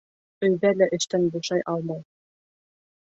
Өйҙә лә эштән бушай алмай.